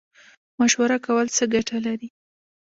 مشوره کول څه ګټه لري؟